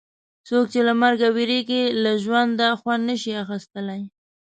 څوک چې له مرګ وېرېږي له ژونده خوند نه شي اخیستلای.